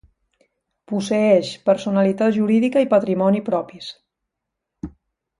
Posseeix personalitat jurídica i patrimoni propis.